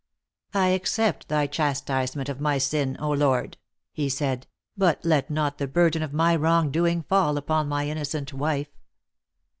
"I accept thy chastisement of my sin, O Lord," he said; "but let not the burden of my wrong doing fall upon my innocent wife